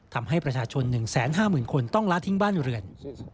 ทำให้ประชาชน๑๕๐๐๐คนต้องละทิ้งบ้านเรือน